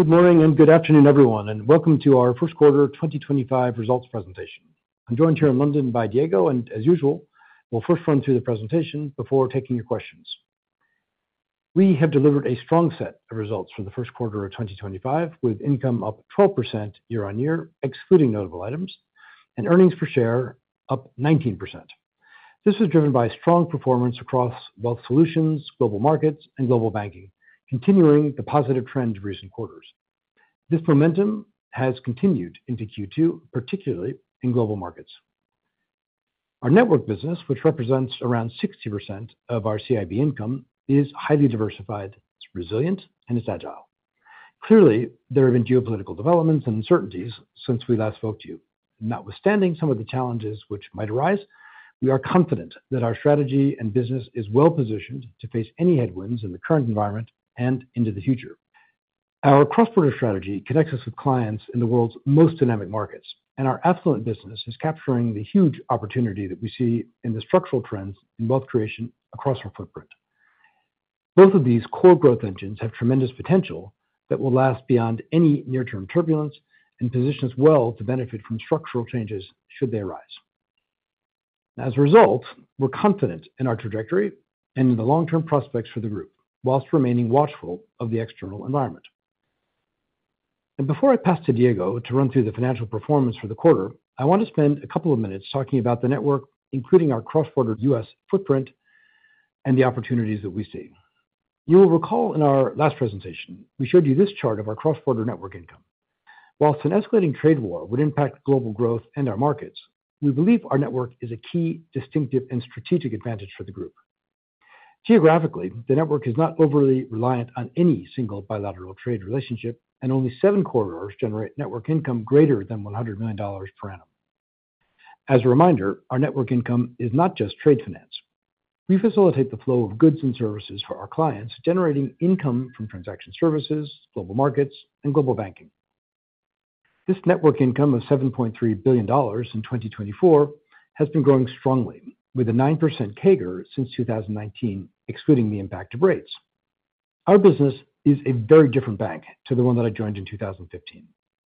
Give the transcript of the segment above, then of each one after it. Good morning and good afternoon, everyone, and welcome to our first quarter 2025 results presentation. I'm joined here in London by Diego, and as usual, we'll first run through the presentation before taking your questions. We have delivered a strong set of results for the first quarter of 2025, with income up 12% year on year, excluding notable items, and earnings per share up 19%. This was driven by strong performance across wealth solutions, global markets, and global banking, continuing the positive trend of recent quarters. This momentum has continued into Q2, particularly in global markets. Our network business, which represents around 60% of our CIB income, is highly diversified, resilient, and is agile. Clearly, there have been geopolitical developments and uncertainties since we last spoke to you. Notwithstanding some of the challenges which might arise, we are confident that our strategy and business is well positioned to face any headwinds in the current environment and into the future. Our cross-border strategy connects us with clients in the world's most dynamic markets, and our affluent business is capturing the huge opportunity that we see in the structural trends in wealth creation across our footprint. Both of these core growth engines have tremendous potential that will last beyond any near-term turbulence and positions well to benefit from structural changes should they arise. As a result, we're confident in our trajectory and in the long-term prospects for the group, whilst remaining watchful of the external environment. Before I pass to Diego to run through the financial performance for the quarter, I want to spend a couple of minutes talking about the network, including our cross-border U.S. footprint and the opportunities that we see. You will recall in our last presentation, we showed you this chart of our cross-border network income. Whilst an escalating trade war would impact global growth and our markets, we believe our network is a key distinctive and strategic advantage for the group. Geographically, the network is not overly reliant on any single bilateral trade relationship, and only seven corridors generate network income greater than $100 million per annum. As a reminder, our network income is not just trade finance. We facilitate the flow of goods and services for our clients, generating income from transaction services, global markets, and global banking. This network income of $7.3 billion in 2024 has been growing strongly, with a 9% CAGR since 2019, excluding the impact of rates. Our business is a very different bank to the one that I joined in 2015.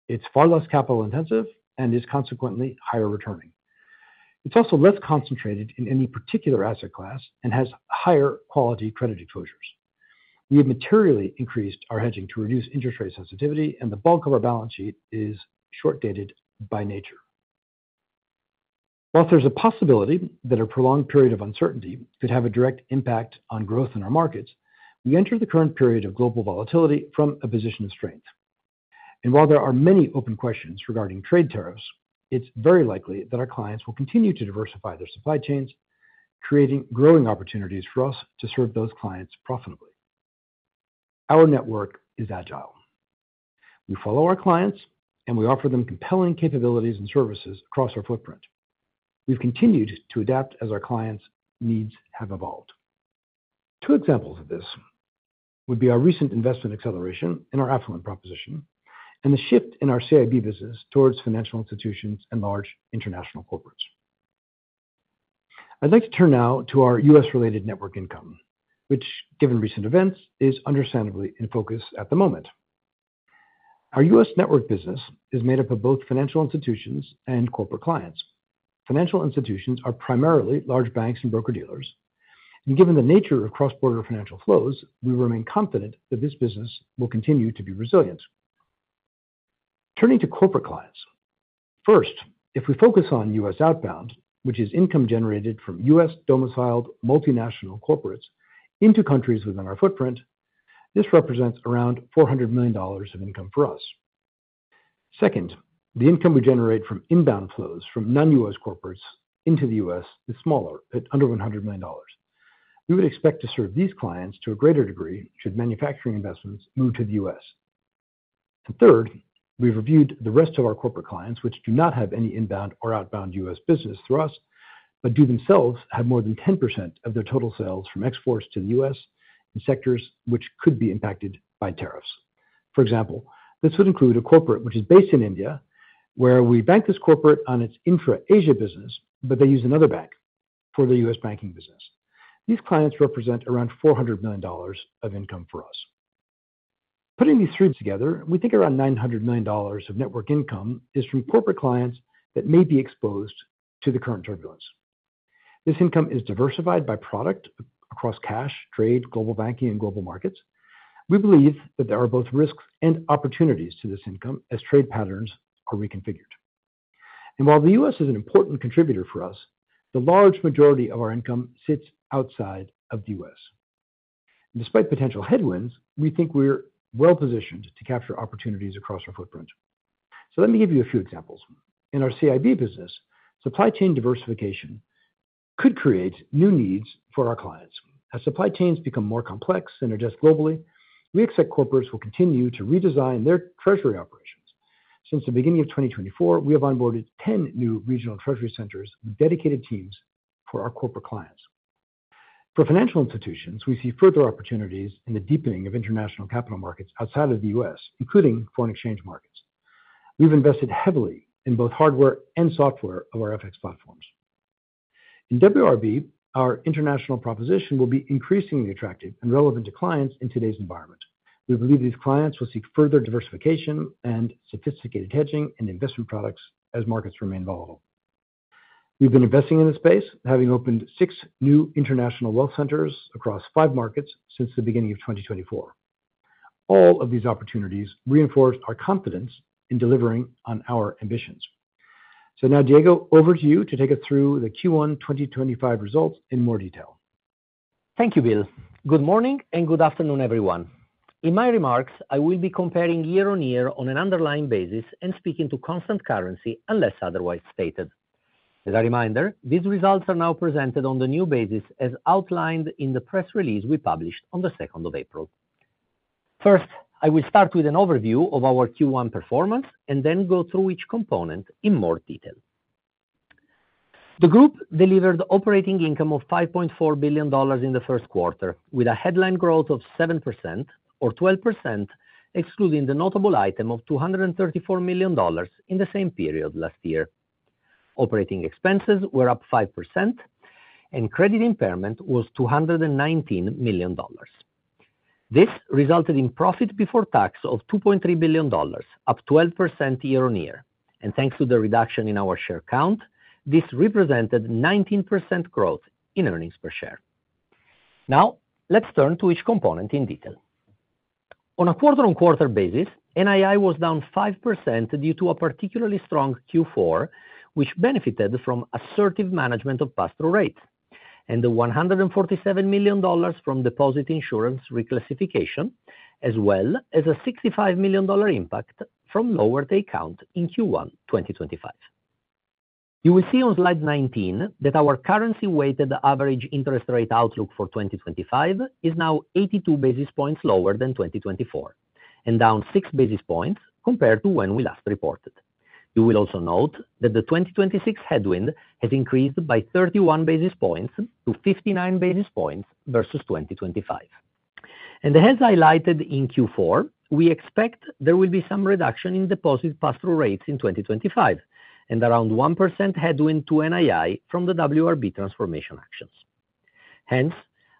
It's far less capital intensive and is consequently higher returning. It's also less concentrated in any particular asset class and has higher quality credit exposures. We have materially increased our hedging to reduce interest rate sensitivity, and the bulk of our balance sheet is short-dated by nature. Whilst there's a possibility that a prolonged period of uncertainty could have a direct impact on growth in our markets, we enter the current period of global volatility from a position of strength. While there are many open questions regarding trade tariffs, it's very likely that our clients will continue to diversify their supply chains, creating growing opportunities for us to serve those clients profitably. Our network is agile. We follow our clients, and we offer them compelling capabilities and services across our footprint. We've continued to adapt as our clients' needs have evolved. Two examples of this would be our recent investment acceleration in our affluent proposition and the shift in our CIB business towards financial institutions and large international corporates. I'd like to turn now to our U.S.-related network income, which, given recent events, is understandably in focus at the moment. Our U.S. network business is made up of both financial institutions and corporate clients. Financial institutions are primarily large banks and broker-dealers, and given the nature of cross-border financial flows, we remain confident that this business will continue to be resilient. Turning to corporate clients. First, if we focus on U.S. outbound, which is income generated from U.S.-domiciled multinational corporates into countries within our footprint, this represents around $400 million of income for us. Second, the income we generate from inbound flows from non-U.S. corporates into the U.S. is smaller, at under $100 million. We would expect to serve these clients to a greater degree should manufacturing investments move to the U.S. Third, we've reviewed the rest of our corporate clients, which do not have any inbound or outbound U.S. business through us, but do themselves have more than 10% of their total sales from exports to the U.S. in sectors which could be impacted by tariffs. For example, this would include a corporate which is based in India, where we bank this corporate on its infra Asia business, but they use another bank for the U.S. banking business. These clients represent around $400 million of income for us. Putting these three together, we think around $900 million of network income is from corporate clients that may be exposed to the current turbulence. This income is diversified by product across cash, trade, global banking, and global markets. We believe that there are both risks and opportunities to this income as trade patterns are reconfigured. While the U.S. is an important contributor for us, the large majority of our income sits outside of the U.S. Despite potential headwinds, we think we're well positioned to capture opportunities across our footprint. Let me give you a few examples. In our CIB business, supply chain diversification could create new needs for our clients. As supply chains become more complex and adjust globally, we expect corporates will continue to redesign their treasury operations. Since the beginning of 2024, we have onboarded 10 new regional treasury centers with dedicated teams for our corporate clients. For financial institutions, we see further opportunities in the deepening of international capital markets outside of the U.S., including foreign exchange markets. We've invested heavily in both hardware and software of our FX platforms. In WRB, our international proposition will be increasingly attractive and relevant to clients in today's environment. We believe these clients will seek further diversification and sophisticated hedging and investment products as markets remain volatile. We've been investing in this space, having opened six new international wealth centers across five markets since the beginning of 2024. All of these opportunities reinforce our confidence in delivering on our ambitions. Now, Diego, over to you to take us through the Q1 2025 results in more detail. Thank you, Bill. Good morning and good afternoon, everyone. In my remarks, I will be comparing year on year on an underlying basis and speaking to constant currency, unless otherwise stated. As a reminder, these results are now presented on the new basis as outlined in the press release we published on the 2nd of April. First, I will start with an overview of our Q1 performance and then go through each component in more detail. The group delivered operating income of $5.4 billion in the first quarter, with a headline growth of 7% or 12%, excluding the notable item of $234 million in the same period last year. Operating expenses were up 5%, and credit impairment was $219 million. This resulted in profit before tax of $2.3 billion, up 12% year on year. Thanks to the reduction in our share count, this represented 19% growth in earnings per share. Now, let's turn to each component in detail. On a quarter-on-quarter basis, NII was down 5% due to a particularly strong Q4, which benefited from assertive management of pastoral rates and the $147 million from deposit insurance reclassification, as well as a $65 million impact from lower takeout in Q1 2025. You will see on slide 19 that our currency-weighted average interest rate outlook for 2025 is now 82 basis points lower than 2024 and down 6 basis points compared to when we last reported. You will also note that the 2026 headwind has increased by 31 basis points to 59 basis points versus 2025. As highlighted in Q4, we expect there will be some reduction in deposit pastoral rates in 2025 and around 1% headwind to NII from the WRB transformation actions. Hence,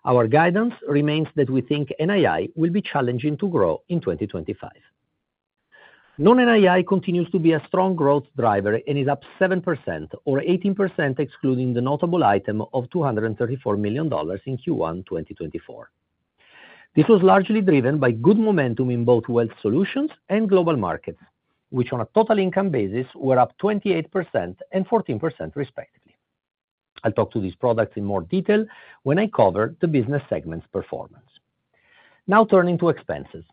our guidance remains that we think NII will be challenging to grow in 2025. Non-NII continues to be a strong growth driver and is up 7% or 18%, excluding the notable item of $234 million in Q1 2024. This was largely driven by good momentum in both wealth solutions and global markets, which on a total income basis were up 28% and 14%, respectively. I'll talk to these products in more detail when I cover the business segment's performance. Now, turning to expenses.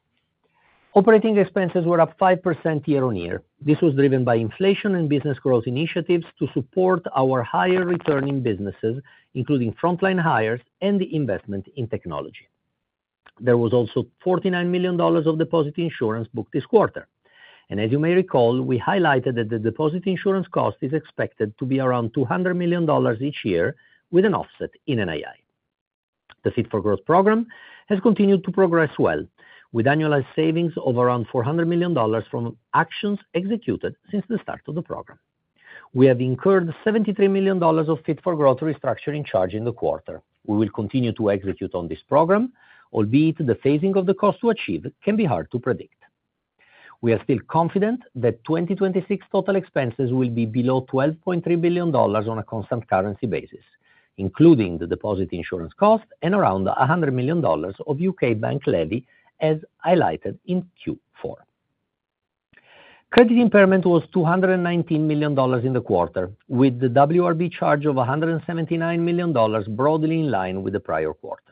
Operating expenses were up 5% year on year. This was driven by inflation and business growth initiatives to support our higher returning businesses, including frontline hires and the investment in technology. There was also $49 million of deposit insurance booked this quarter. As you may recall, we highlighted that the deposit insurance cost is expected to be around $200 million each year, with an offset in NII. The Fit for Growth program has continued to progress well, with annualized savings of around $400 million from actions executed since the start of the program. We have incurred $73 million of Fit for Growth restructuring charge in the quarter. We will continue to execute on this program, albeit the phasing of the cost to achieve can be hard to predict. We are still confident that 2026 total expenses will be below $12.3 billion on a constant currency basis, including the deposit insurance cost and around $100 million of U.K. bank levy, as highlighted in Q4. Credit impairment was $219 million in the quarter, with the WRB charge of $179 million broadly in line with the prior quarters.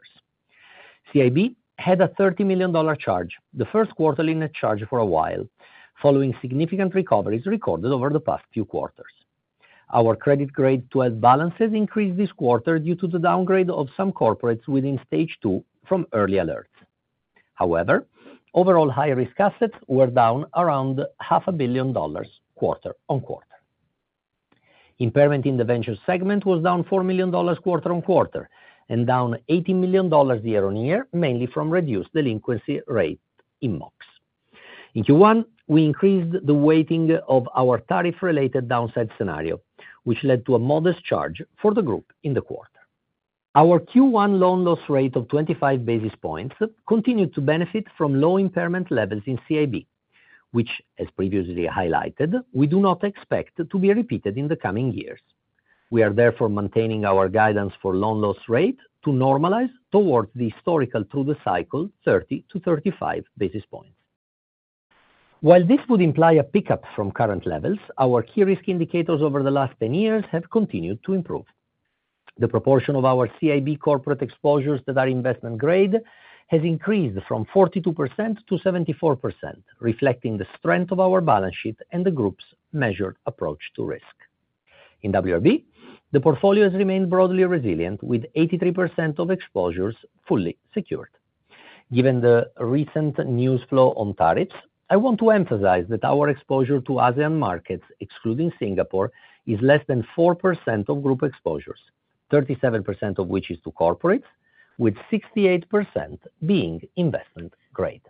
CIB had a $30 million charge, the first quarterly net charge for a while, following significant recoveries recorded over the past few quarters. Our credit-grade 12 balances increased this quarter due to the downgrade of some corporates within stage two from early alerts. However, overall high-risk assets were down around $500 million quarter on quarter. Impairment in the venture segment was down $4 million quarter on quarter and down $18 million year on year, mainly from reduced delinquency rate in MOX. In Q1, we increased the weighting of our tariff-related downside scenario, which led to a modest charge for the group in the quarter. Our Q1 loan loss rate of 25 basis points continued to benefit from low impairment levels in CIB, which, as previously highlighted, we do not expect to be repeated in the coming years. We are therefore maintaining our guidance for loan loss rate to normalize towards the historical through the cycle 30-35 basis points. While this would imply a pickup from current levels, our key risk indicators over the last 10 years have continued to improve. The proportion of our CIB corporate exposures that are investment-grade has increased from 42% to 74%, reflecting the strength of our balance sheet and the group's measured approach to risk. In WRB, the portfolio has remained broadly resilient, with 83% of exposures fully secured. Given the recent news flow on tariffs, I want to emphasize that our exposure to ASEAN markets, excluding Singapore, is less than 4% of group exposures, 37% of which is to corporates, with 68% being investment-grade.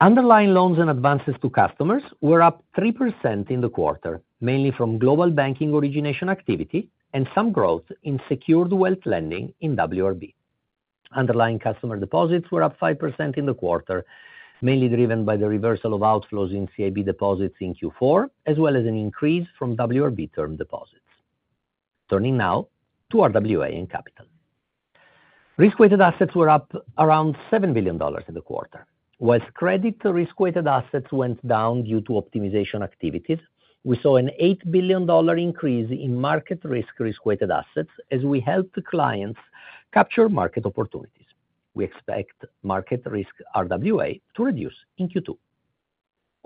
Underlying loans and advances to customers were up 3% in the quarter, mainly from global banking origination activity and some growth in secured wealth lending in WRB. Underlying customer deposits were up 5% in the quarter, mainly driven by the reversal of outflows in CIB deposits in Q4, as well as an increase from WRB term deposits. Turning now to our RWA and capital. Risk-weighted assets were up around $7 billion in the quarter. Whilst credit risk-weighted assets went down due to optimization activities, we saw an $8 billion increase in market risk risk-weighted assets as we helped clients capture market opportunities. We expect market risk RWA to reduce in Q2.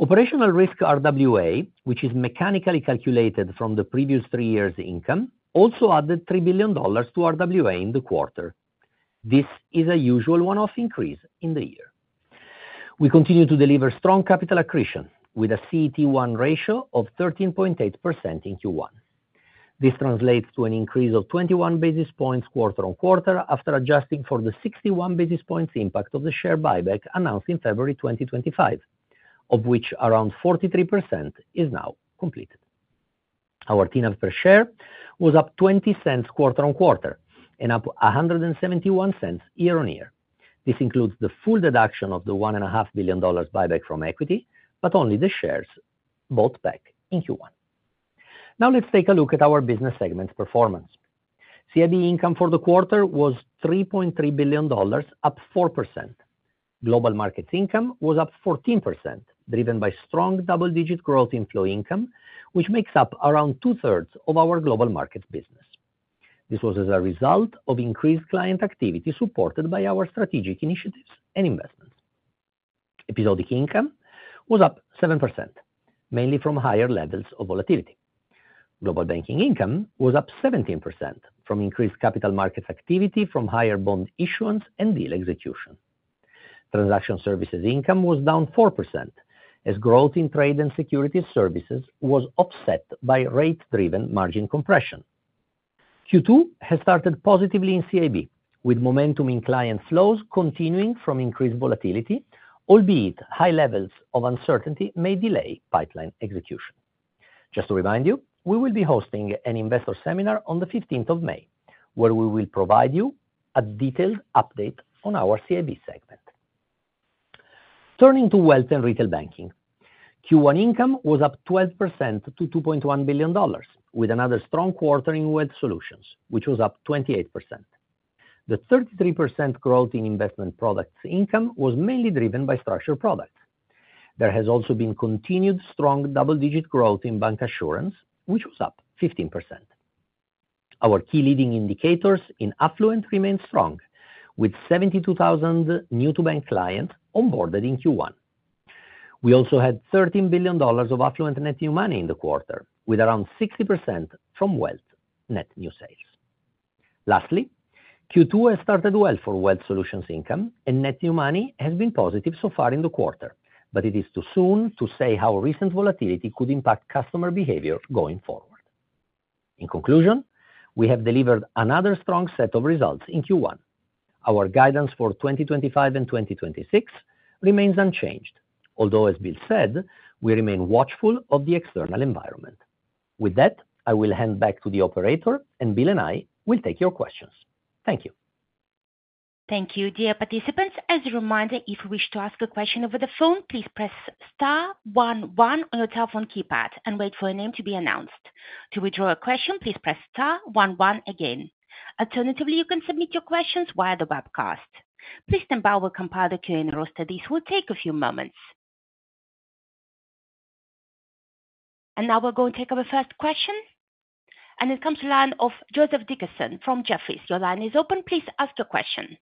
Operational risk RWA, which is mechanically calculated from the previous three years' income, also added $3 billion to RWA in the quarter. This is a usual one-off increase in the year. We continue to deliver strong capital accretion with a CET1 ratio of 13.8% in Q1. This translates to an increase of 21 basis points quarter on quarter after adjusting for the 61 basis points impact of the share buyback announced in February 2025, of which around 43% is now completed. Our T/A per share was up $0.20 quarter on quarter and up $1.71 year on year. This includes the full deduction of the $1.5 billion buyback from equity, but only the shares bought back in Q1. Now let's take a look at our business segment's performance. CIB income for the quarter was $3.3 billion, up 4%. Global markets income was up 14%, driven by strong double-digit growth in flow income, which makes up around two-thirds of our global markets business. This was as a result of increased client activity supported by our strategic initiatives and investments. Episodic income was up 7%, mainly from higher levels of volatility. Global banking income was up 17% from increased capital markets activity from higher bond issuance and deal execution. Transaction services income was down 4% as growth in trade and securities services was offset by rate-driven margin compression. Q2 has started positively in CIB, with momentum in client flows continuing from increased volatility, albeit high levels of uncertainty may delay pipeline execution. Just to remind you, we will be hosting an investor seminar on the 15th of May, where we will provide you a detailed update on our CIB segment. Turning to wealth and retail banking, Q1 income was up 12% to $2.1 billion, with another strong quarter in wealth solutions, which was up 28%. The 33% growth in investment products income was mainly driven by structured products. There has also been continued strong double-digit growth in bank assurance, which was up 15%. Our key leading indicators in affluent remained strong, with 72,000 new-to-bank clients onboarded in Q1. We also had $13 billion of affluent net new money in the quarter, with around 60% from wealth net new sales. Lastly, Q2 has started well for wealth solutions income, and net new money has been positive so far in the quarter, but it is too soon to say how recent volatility could impact customer behavior going forward. In conclusion, we have delivered another strong set of results in Q1. Our guidance for 2025 and 2026 remains unchanged, although, as Bill said, we remain watchful of the external environment. With that, I will hand back to the operator, and Bill and I will take your questions. Thank you. Thank you, dear participants. As a reminder, if you wish to ask a question over the phone, please press *11 on your telephone keypad and wait for your name to be announced. To withdraw a question, please press *11 again. Alternatively, you can submit your questions via the webcast. Please stand by while we compile the Q&A roster. This will take a few moments. Now we are going to take our first question, and it comes to the line of Joseph Dickerson from Jefferies. Your line is open. Please ask your question.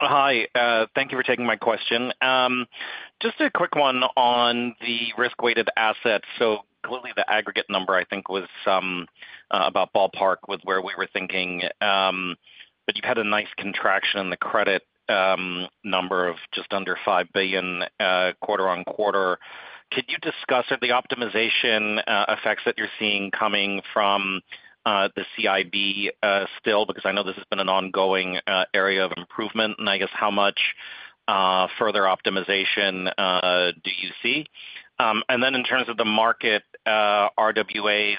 Hi. Thank you for taking my question. Just a quick one on the risk-weighted assets. Clearly the aggregate number, I think, was about ballpark with where we were thinking, but you've had a nice contraction in the credit number of just under $5 billion quarter on quarter. Could you discuss the optimization effects that you're seeing coming from the CIB still? I know this has been an ongoing area of improvement, and I guess how much further optimization do you see? In terms of the market RWAs,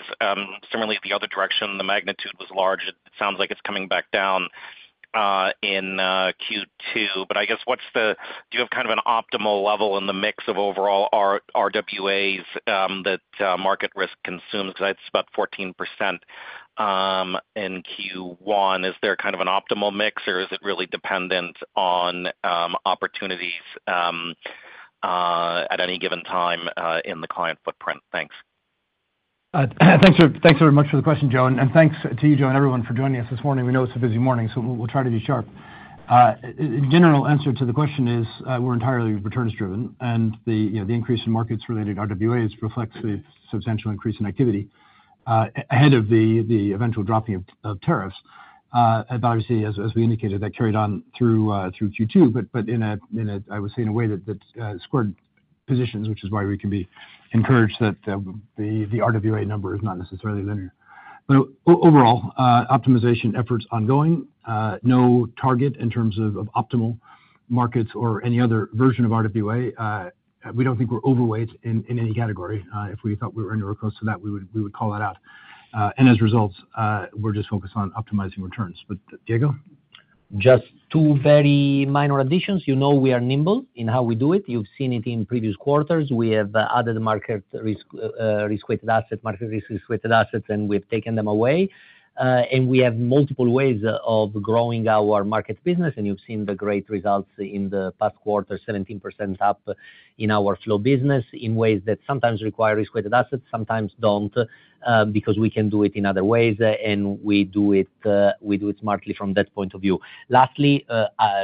similarly the other direction, the magnitude was large. It sounds like it's coming back down in Q2. I guess what's the—do you have kind of an optimal level in the mix of overall RWAs that market risk consumes? I'd say it's about 14% in Q1. Is there kind of an optimal mix, or is it really dependent on opportunities at any given time in the client footprint? Thanks. Thanks very much for the question, Joseph, and thanks to you, Joseph, everyone for joining us this morning. We know it's a busy morning, so we'll try to be sharp. In general, the answer to the question is we're entirely returns-driven, and the increase in markets-related RWAs reflects the substantial increase in activity ahead of the eventual dropping of tariffs. Obviously, as we indicated, that carried on through Q2, but in a, I would say, in a way that squared positions, which is why we can be encouraged that the RWA number is not necessarily linear. Overall, optimization efforts ongoing. No target in terms of optimal markets or any other version of RWA. We don't think we're overweight in any category. If we thought we were anywhere close to that, we would call that out. As a result, we're just focused on optimizing returns. But Diego? Just two very minor additions. You know we are nimble in how we do it. You've seen it in previous quarters. We have added market risk-weighted assets, market risk-weighted assets, market risk-weighted assets, market risk-weighted assets, market risk-weighted assets, and we've taken them away. We have multiple ways of growing our market business, and you've seen the great results in the past quarter: 17% up in our flow business in ways that sometimes require risk-weighted assets, sometimes don't, because we can do it in other ways, and we do it smartly from that point of view. Lastly,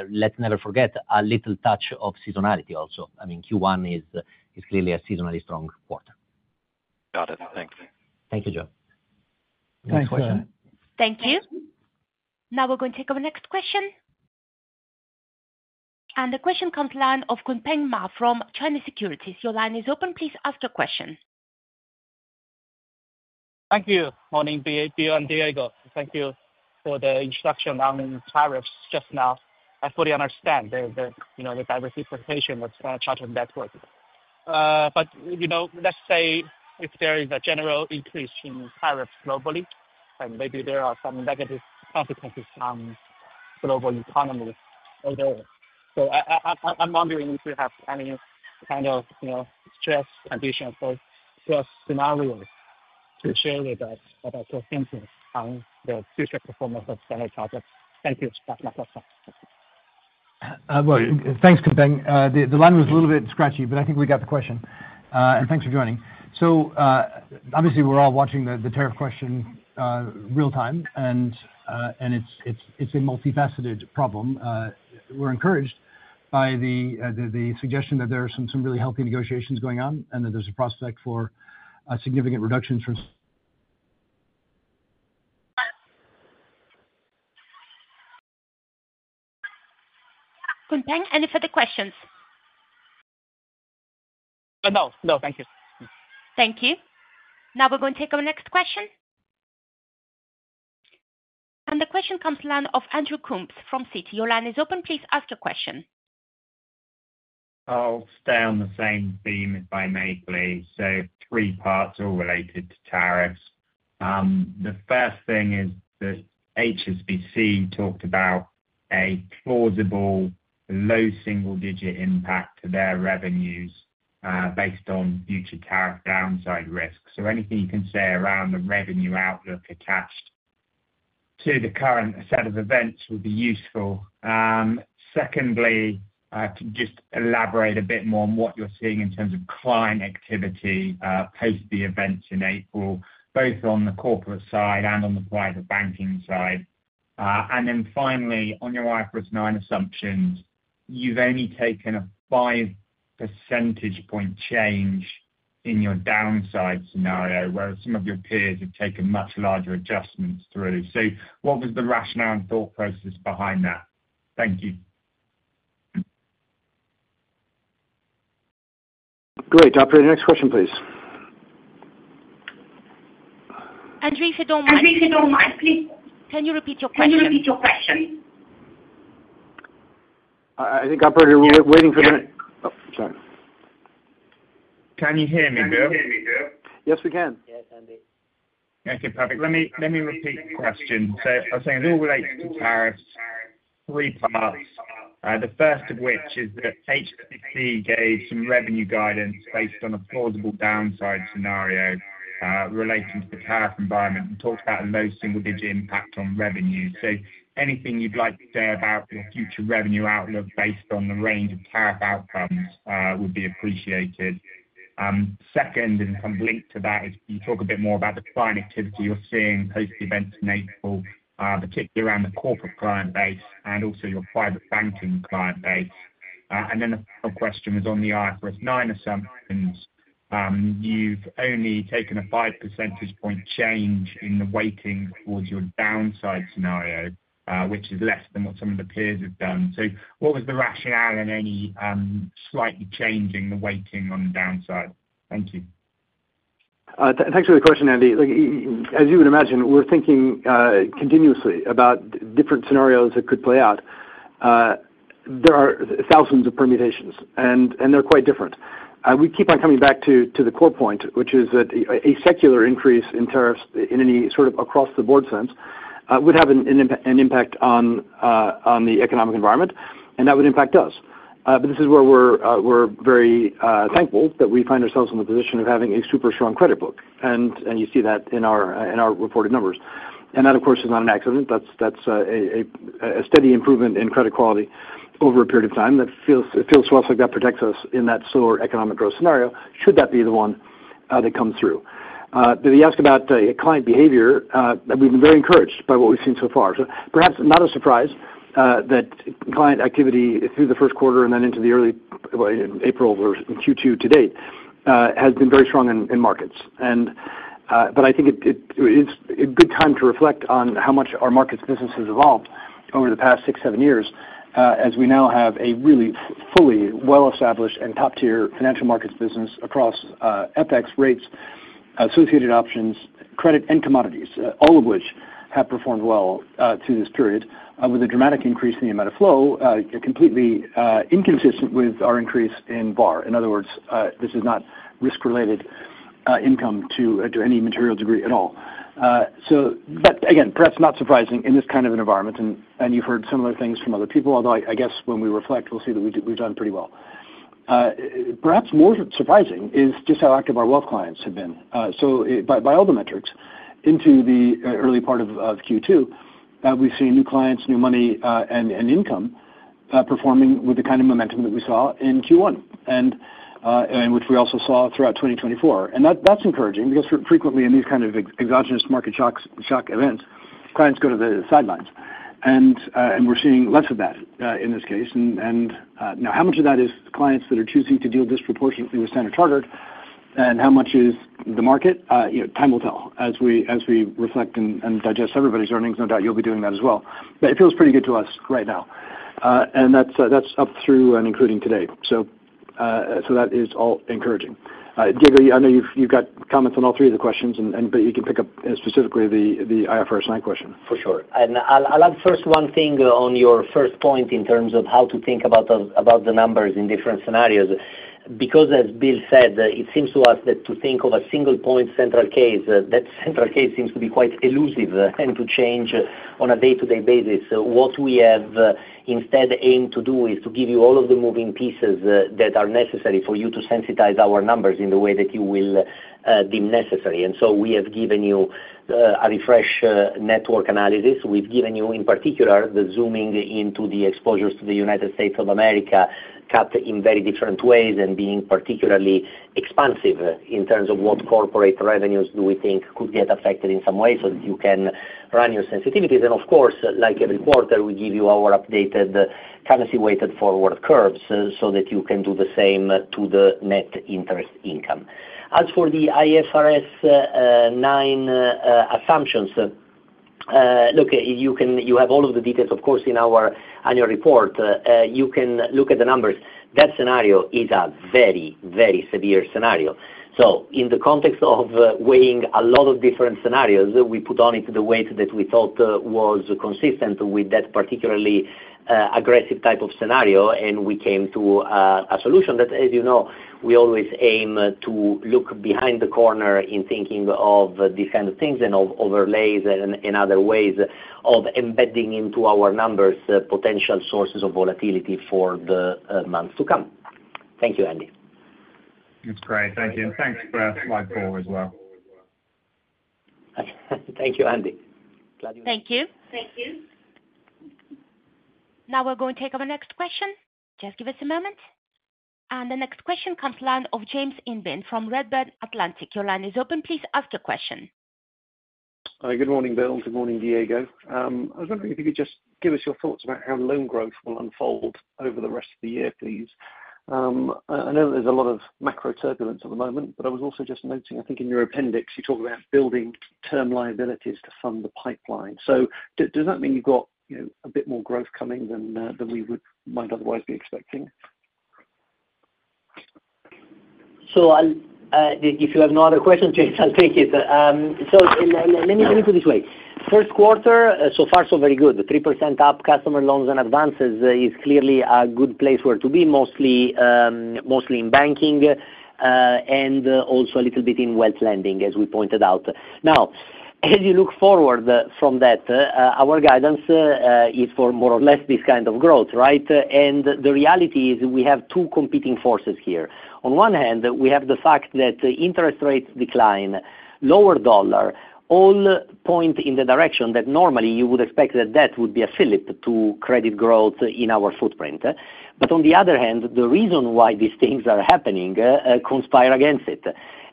let's never forget a little touch of seasonality also. I mean, Q1 is clearly a seasonally strong quarter. Got it. Thanks. Thank you, Joseph. Thanks, Joseph. Thank you. Now we're going to take our next question. The question comes to the line of Kunpeng Ma from China Securities. Your line is open. Please ask your question. Thank you, morning, Bill and Diego. Thank you for the instruction on tariffs just now. I fully understand the diversification that's going to charge on that quarter. Let's say if there is a general increase in tariffs globally, and maybe there are some negative consequences on the global economy overall. I am wondering if you have any kind of stress conditions or stress scenarios to share with us about your thinking on the future performance of Standard Chartered. Thank you, Kunpeng Ma. Thanks, Kunpeng. The line was a little bit scratchy, but I think we got the question, and thanks for joining. Obviously, we're all watching the tariff question real-time, and it's a multifaceted problem. We're encouraged by the suggestion that there are some really healthy negotiations going on and that there's a prospect for significant reductions from. Kunpeng, any further questions? No, no. Thank you. Thank you. Now we're going to take our next question. The question comes to the line of Andrew Coombs from Citi. Your line is open. Please ask your question. I'll stay on the same theme if I may, please. Three parts all related to tariffs. The first thing is that HSBC talked about a plausible low single-digit impact to their revenues based on future tariff downside risks. Anything you can say around the revenue outlook attached to the current set of events would be useful. Secondly, just elaborate a bit more on what you're seeing in terms of client activity post the events in April, both on the corporate side and on the private banking side. Finally, on your IFRS 9 assumptions, you've only taken a 5 percentage point change in your downside scenario, whereas some of your peers have taken much larger adjustments through. What was the rationale and thought process behind that? Thank you. Great. Operator, next question, please. Andrew, if you don't mind, please. Can you repeat your question? I think, Operator, we're waiting for the—sorry. Can you hear me, Bill? Yes, we can. Yes, Andrew. Okay, perfect. Let me repeat the question. I was saying it all relates to tariffs, three parts, the first of which is that HSBC gave some revenue guidance based on a plausible downside scenario relating to the tariff environment and talked about a low single-digit impact on revenue. Anything you'd like to say about your future revenue outlook based on the range of tariff outcomes would be appreciated. Second, and kind of linked to that, is you talk a bit more about the client activity you're seeing post the events in April, particularly around the corporate client base and also your private banking client base. The final question was on the IFRS 9 assumptions. You've only taken a 5 percentage point change in the weighting towards your downside scenario, which is less than what some of the peers have done. What was the rationale in any slightly changing the weighting on the downside? Thank you. Thanks for the question, Andrew. As you would imagine, we're thinking continuously about different scenarios that could play out. There are thousands of permutations, and they're quite different. We keep on coming back to the core point, which is that a secular increase in tariffs in any sort of across-the-board sense would have an impact on the economic environment, and that would impact us. This is where we're very thankful that we find ourselves in the position of having a super strong credit book, and you see that in our reported numbers. That, of course, is not an accident. That's a steady improvement in credit quality over a period of time. It feels to us like that protects us in that slower economic growth scenario should that be the one that comes through. You ask about client behavior, we've been very encouraged by what we've seen so far. Perhaps not a surprise that client activity through the first quarter and then into the early April or Q2 to date has been very strong in markets. I think it's a good time to reflect on how much our markets business has evolved over the past six, seven years as we now have a really fully well-established and top-tier financial markets business across FX, rates, associated options, credit, and commodities, all of which have performed well through this period with a dramatic increase in the amount of flow, completely inconsistent with our increase in VAR. In other words, this is not risk-related income to any material degree at all. Perhaps not surprising in this kind of an environment, and you've heard similar things from other people, although I guess when we reflect, we'll see that we've done pretty well. Perhaps more surprising is just how active our wealth clients have been. So by all the metrics, into the early part of Q2, we've seen new clients, new money, and income performing with the kind of momentum that we saw in Q1, and which we also saw throughout 2024. That's encouraging because frequently in these kind of exogenous market shock events, clients go to the sidelines, and we're seeing less of that in this case. Now, how much of that is clients that are choosing to deal disproportionately with Standard Chartered, and how much is the market? Time will tell as we reflect and digest everybody's earnings. No doubt you'll be doing that as well. It feels pretty good to us right now, and that's up through and including today. That is all encouraging. Diego, I know you've got comments on all three of the questions, but you can pick up specifically the IFRS 9 question. For sure. I'll add first one thing on your first point in terms of how to think about the numbers in different scenarios. Because as Bill said, it seems to us that to think of a single-point central case, that central case seems to be quite elusive and to change on a day-to-day basis. What we have instead aimed to do is to give you all of the moving pieces that are necessary for you to sensitize our numbers in the way that you will deem necessary. We have given you a refreshed network analysis. We've given you, in particular, the zooming into the exposures to the United States cut in very different ways and being particularly expansive in terms of what corporate revenues do we think could get affected in some way so that you can run your sensitivities. Of course, like every quarter, we give you our updated currency-weighted forward curves so that you can do the same to the net interest income. As for the IFRS 9 assumptions, look, you have all of the details, of course, in our annual report. You can look at the numbers. That scenario is a very, very severe scenario. In the context of weighing a lot of different scenarios, we put on it the weight that we thought was consistent with that particularly aggressive type of scenario, and we came to a solution that, as you know, we always aim to look behind the corner in thinking of these kinds of things and of overlays and other ways of embedding into our numbers potential sources of volatility for the months to come. Thank you, Andrew. That's great. Thank you. Thanks for our slide four as well. Thank you, Andrew. Glad you were here. Thank you. Now we're going to take our next question. Just give us a moment. The next question comes to the line of James Invine from Redburn Atlantic. Your line is open. Please ask your question. Good morning, Bill. Good morning, Diego. I was wondering if you could just give us your thoughts about how loan growth will unfold over the rest of the year, please. I know there is a lot of macro turbulence at the moment, but I was also just noticing, I think in your appendix, you talk about building term liabilities to fund the pipeline. Does that mean you have got a bit more growth coming than we might otherwise be expecting? If you have no other questions, James, I'll take it. Let me put it this way. First quarter, so far, so very good. 3% up, customer loans and advances is clearly a good place where to be, mostly in banking and also a little bit in wealth lending, as we pointed out. Now, as you look forward from that, our guidance is for more or less this kind of growth, right? The reality is we have two competing forces here. On one hand, we have the fact that interest rates decline, lower dollar, all point in the direction that normally you would expect that that would be a fill-up to credit growth in our footprint. On the other hand, the reason why these things are happening conspire against it.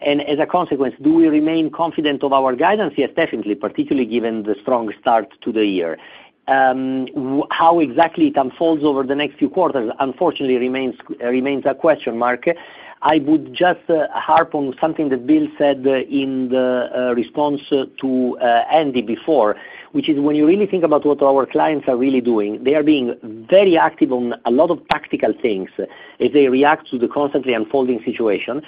As a consequence, do we remain confident of our guidance? Yes, definitely, particularly given the strong start to the year. How exactly it unfolds over the next few quarters, unfortunately, remains a question mark. I would just harp on something that Bill said in the response to Andrew before, which is when you really think about what our clients are really doing, they are being very active on a lot of tactical things as they react to the constantly unfolding situation.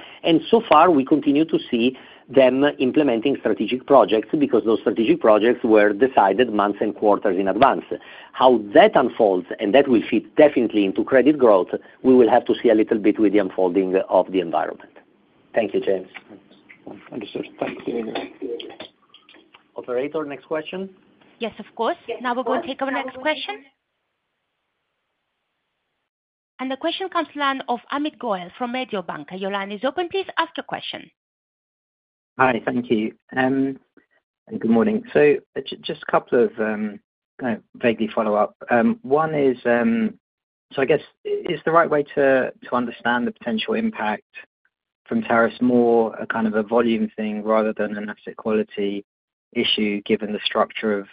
So far, we continue to see them implementing strategic projects because those strategic projects were decided months and quarters in advance. How that unfolds, and that will fit definitely into credit growth, we will have to see a little bit with the unfolding of the environment. Thank you, James. Understood. Thanks, Diego. Operator, next question. Yes, of course. Now we're going to take our next question. The question comes to the line of Amit Goel from Mediobanca. Your line is open. Please ask your question. Hi, thank you. Good morning. Just a couple of kind of vaguely follow-up. One is, I guess, is the right way to understand the potential impact from tariffs more a kind of a volume thing rather than an asset quality issue given the structure of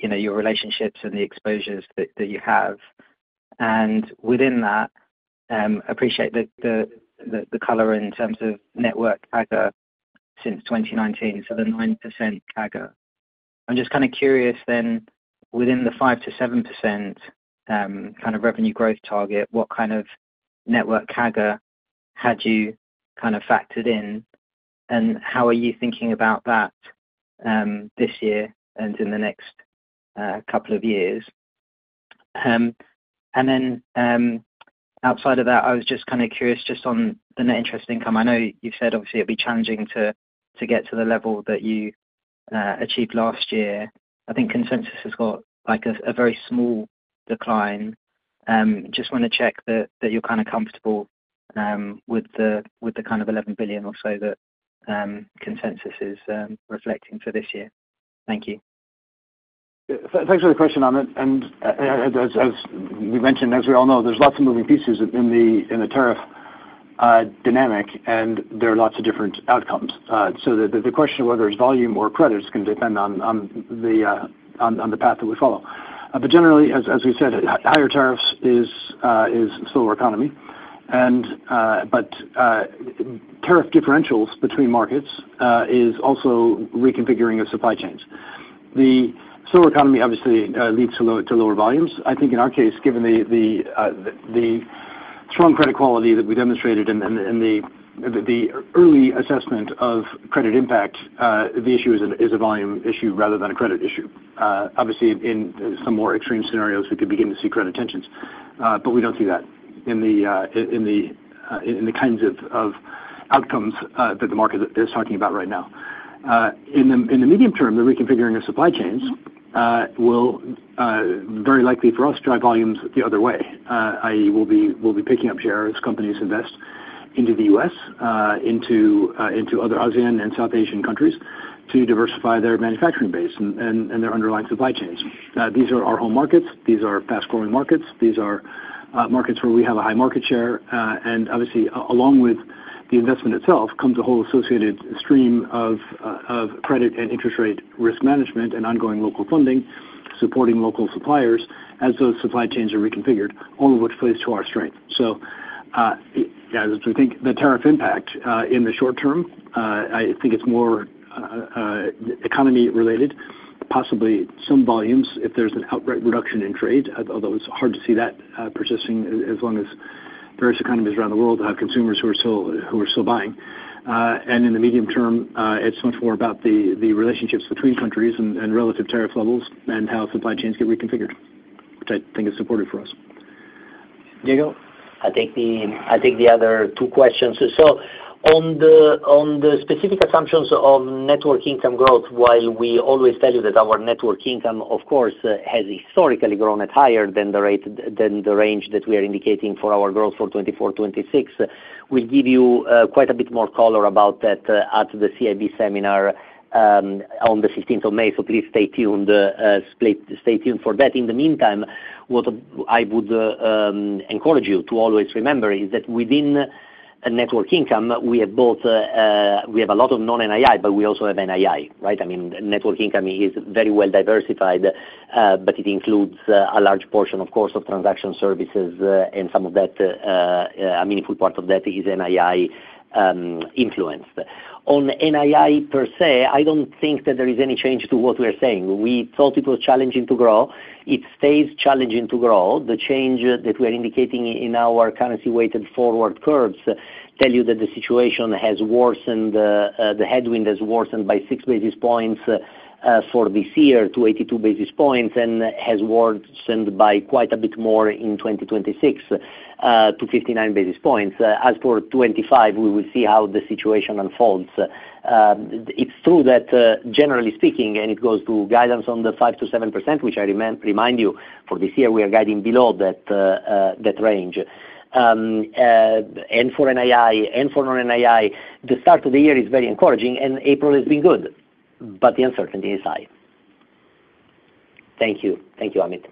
your relationships and the exposures that you have? Within that, appreciate the color in terms of network CAGR since 2019, so the 9% CAGR. I'm just kind of curious then, within the 5-7% kind of revenue growth target, what kind of network CAGR had you kind of factored in, and how are you thinking about that this year and in the next couple of years? Outside of that, I was just kind of curious just on the net interest income. I know you've said, obviously, it'd be challenging to get to the level that you achieved last year. I think consensus has got a very small decline. Just want to check that you're kind of comfortable with the kind of $11 billion or so that consensus is reflecting for this year. Thank you. Thanks for the question. As we mentioned, as we all know, there are lots of moving pieces in the tariff dynamic, and there are lots of different outcomes. The question of whether it is volume or credit is going to depend on the path that we follow. Generally, as we said, higher tariffs mean a slower economy. Tariff differentials between markets are also a reconfiguring of supply chains. The slower economy obviously leads to lower volumes. I think in our case, given the strong credit quality that we demonstrated in the early assessment of credit impact, the issue is a volume issue rather than a credit issue. Obviously, in some more extreme scenarios, we could begin to see credit tensions, but we do not see that in the kinds of outcomes that the market is talking about right now. In the medium term, the reconfiguring of supply chains will very likely for us drive volumes the other way, i.e., we'll be picking up shares companies invest into the U.S., into other ASEAN and South Asian countries to diversify their manufacturing base and their underlying supply chains. These are our home markets. These are fast-growing markets. These are markets where we have a high market share. Obviously, along with the investment itself comes a whole associated stream of credit and interest rate risk management and ongoing local funding supporting local suppliers as those supply chains are reconfigured, all of which plays to our strength. As we think the tariff impact in the short term, I think it's more economy-related, possibly some volumes if there's an outright reduction in trade, although it's hard to see that persisting as long as various economies around the world have consumers who are still buying. In the medium term, it's much more about the relationships between countries and relative tariff levels and how supply chains get reconfigured, which I think is supportive for us. Diego? I think the other two questions. On the specific assumptions of network income growth, while we always tell you that our network income, of course, has historically grown at higher than the range that we are indicating for our growth for 2024-2026, we will give you quite a bit more color about that at the CIB seminar on the 15th of May. Please stay tuned for that. In the meantime, what I would encourage you to always remember is that within network income, we have a lot of non-NII, but we also have NII, right? I mean, network income is very well diversified, but it includes a large portion, of course, of transaction services, and some of that, a meaningful part of that, is NII-influenced. On NII per se, I do not think that there is any change to what we are saying. We thought it was challenging to grow. It stays challenging to grow. The change that we are indicating in our currency-weighted forward curves tells you that the situation has worsened. The headwind has worsened by six basis points for this year to 82 basis points and has worsened by quite a bit more in 2026 to 59 basis points. As for 2025, we will see how the situation unfolds. It's true that, generally speaking, and it goes to guidance on the 5 to 7%, which I remind you, for this year, we are guiding below that range. For NII and for non-NII, the start of the year is very encouraging, and April has been good, but the uncertainty is high. Thank you. Thank you, Amit.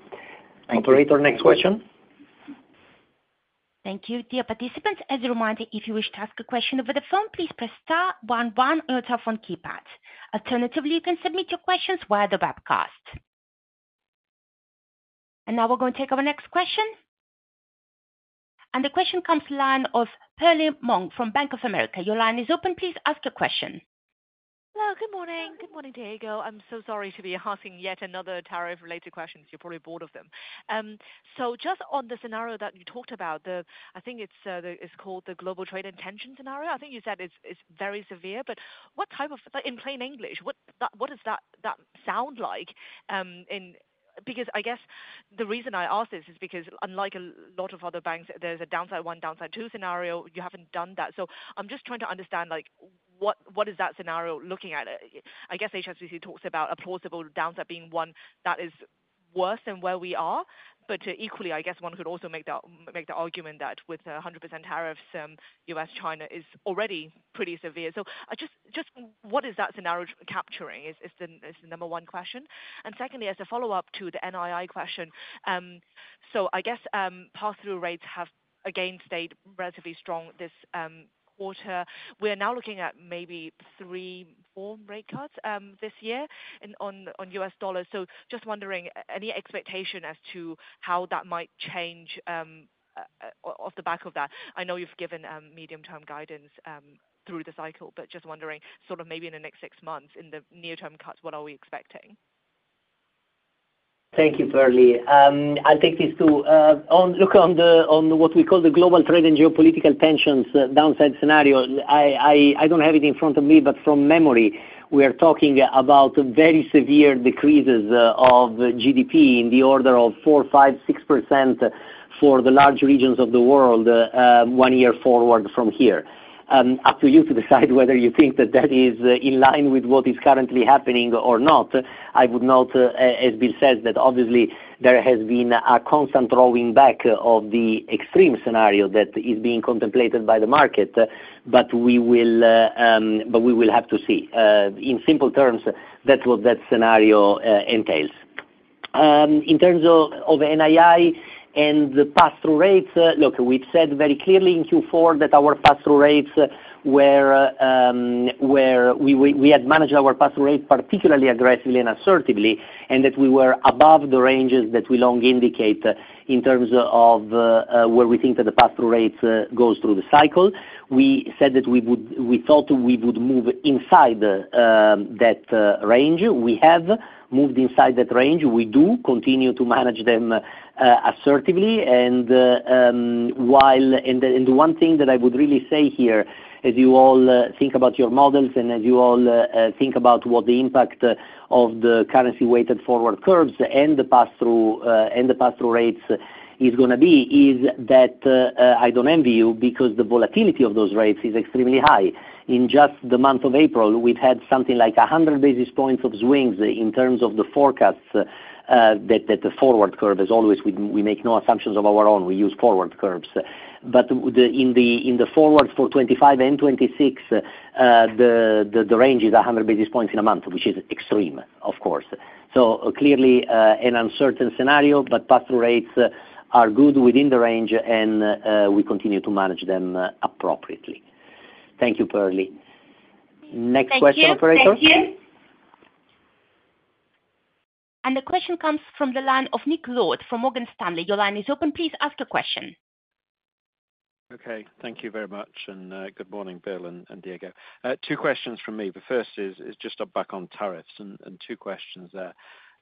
Operator, next question. Thank you. Dear participants, as a reminder, if you wish to ask a question over the phone, please press star 11 on your telephone keypad. Alternatively, you can submit your questions via the webcast. We are going to take our next question. The question comes to the line of Perlie Mong from Bank of America. Your line is open. Please ask your question. Hello. Good morning. Good morning, Diego. I'm so sorry to be asking yet another tariff-related question. You're probably bored of them. Just on the scenario that you talked about, I think it's called the global trade intention scenario. I think you said it's very severe, but what type of, in plain English, what does that sound like? I guess the reason I ask this is because, unlike a lot of other banks, there's a downside one, downside two scenario. You haven't done that. I'm just trying to understand what is that scenario looking at? I guess HSBC talks about a plausible downside being one that is worse than where we are. Equally, I guess one could also make the argument that with 100% tariffs, U.S.-China is already pretty severe. Just what is that scenario capturing? Is the number one question. Secondly, as a follow-up to the NII question, I guess pass-through rates have again stayed relatively strong this quarter. We are now looking at maybe three or four rate cuts this year on U.S. dollars. Just wondering, any expectation as to how that might change off the back of that? I know you have given medium-term guidance through the cycle, but just wondering, sort of maybe in the next six months, in the near-term cuts, what are we expecting? Thank you, Perlie. I think it's to look on what we call the global trade and geopolitical tensions downside scenario. I don't have it in front of me, but from memory, we are talking about very severe decreases of GDP in the order of 4%, 5%, 6% for the large regions of the world one year forward from here. Up to you to decide whether you think that that is in line with what is currently happening or not. I would note, as Bill said, that obviously there has been a constant rolling back of the extreme scenario that is being contemplated by the market, but we will have to see. In simple terms, that's what that scenario entails. In terms of NII and the pass-through rates, look, we've said very clearly in Q4 that our pass-through rates were we had managed our pass-through rate particularly aggressively and assertively and that we were above the ranges that we long indicate in terms of where we think that the pass-through rate goes through the cycle. We said that we thought we would move inside that range. We have moved inside that range. We do continue to manage them assertively. The one thing that I would really say here, as you all think about your models and as you all think about what the impact of the currency-weighted forward curves and the pass-through rates is going to be is that I don't envy you because the volatility of those rates is extremely high. In just the month of April, we've had something like 100 basis points of swings in terms of the forecasts that the forward curve is always we make no assumptions of our own. We use forward curves. In the forward for 2025 and 2026, the range is 100 basis points in a month, which is extreme, of course. Clearly an uncertain scenario, but pass-through rates are good within the range, and we continue to manage them appropriately. Thank you, Perlie. Next question, Operator? Thank you. The question comes from the line of Nick Lord from Morgan Stanley. Your line is open. Please ask your question. Okay. Thank you very much. Good morning, Bill and Diego. Two questions from me. The first is just back on tariffs and two questions there.